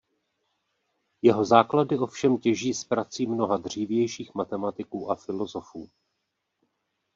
Jeho "Základy" ovšem těží z prací mnoha dřívějších matematiků a filosofů.